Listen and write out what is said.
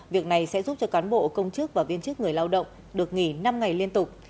việc này sẽ giúp cho cán bộ công chức và viên chức người lao động được nghỉ năm ngày liên tục